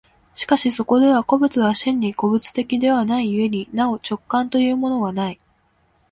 しかしそこでは個物は真に個物的ではない故になお直観というものはない。